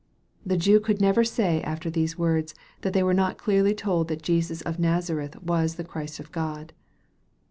The Jews could never say after these words, that they were not clearly told that Jesus of Nazareth was the Christ of God.